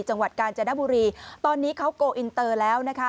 จังหวัดกาญจนบุรีตอนนี้เขาโกอินเตอร์แล้วนะคะ